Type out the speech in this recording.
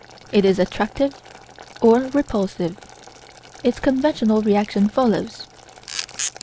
It is attractive or repulsive. Its conventional reaction follows.